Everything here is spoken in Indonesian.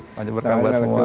selamat berkabar semua